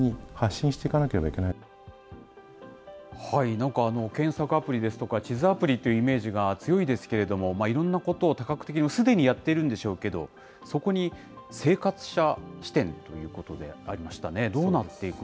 なんか、検索アプリですとか、地図アプリというイメージが強いですけれども、いろんなことを多角的にすでにやっているんでしょうけど、そこに生活者視点ということでありましたね。